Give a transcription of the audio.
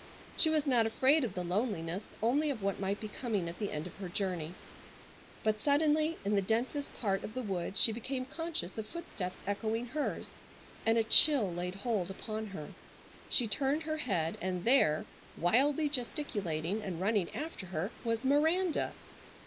She was not afraid of the loneliness, only of what might be coming at the end of her journey. But suddenly, in the densest part of the wood, she became conscious of footsteps echoing hers, and a chill laid hold upon her. She turned her head and there, wildly gesticulating and running after her, was Miranda!